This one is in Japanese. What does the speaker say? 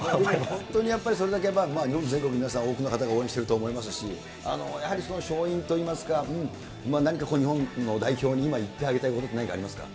本当にそれだけ、日本全国の多くの方が応援してると思いますし、やはり勝因といいますか、何か日本の代表に、今、言ってあげたいこと、何かありますか？